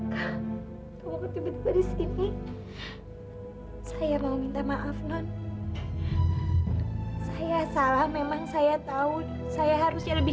ke dua tiba tiba disini saya mau minta maaf non saya salah memang saya tahu saya harus lebih